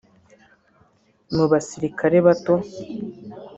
Mu Basirikare Bato